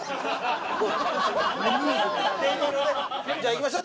じゃあいきましょう。